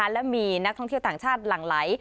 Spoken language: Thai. และมีนักท่องเที่ยวต่างชาติหลั่งไหล